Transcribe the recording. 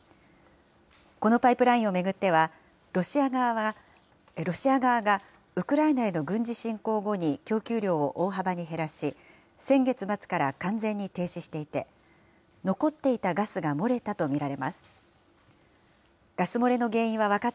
このパイプラインを巡っては、ロシア側がウクライナへの軍事侵攻後に供給量を大幅に減らし、先月末から完全に停止していて、残っていたガスが漏れたと見られます。